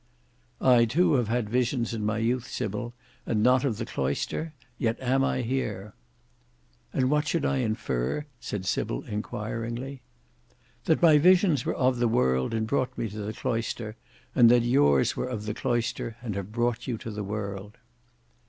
"I too have had visions in my youth, Sybil, and not of the cloister, yet am I here." "And what should I infer?" said Sybil enquiringly. "That my visions were of the world, and brought me to the cloister, and that yours were of the cloister and have brought you to the world."